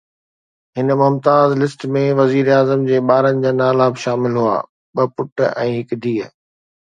هن ”ممتاز لسٽ“ ۾ وزيراعظم جي ٻارن جا نالا به شامل هئا: ٻه پٽ ۽ هڪ ڌيءَ.